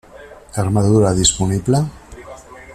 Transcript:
Armadura Disponible: